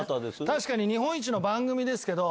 確かに日本一の番組ですけど。